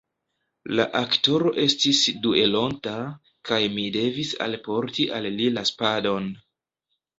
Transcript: La aktoro estis duelonta, kaj mi devis alporti al li la spadon.